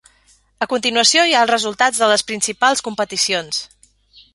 A continuació hi ha els resultats de les principals competicions.